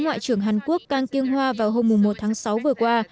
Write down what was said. ngoại trưởng hàn quốc kang kyung hoa vào hôm một tháng sáu vừa qua